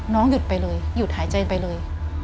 หยุดไปเลยหยุดหายใจไปเลย